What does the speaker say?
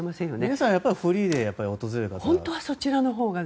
皆さん、フリーで訪れたほうが。